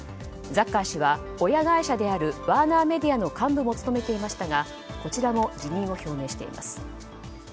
ザッカー氏は親会社であるワーナーメディアの幹部も務めていましたがこちらも辞任を表明しています。